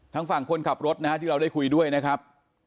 ทางฝั่งคนขับรถนะฮะที่เราได้คุยด้วยนะครับ